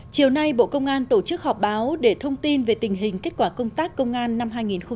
chiều nay bộ công an tổ chức họp báo để thông tin về tình hình kết quả công tác công an năm hai nghìn hai mươi ba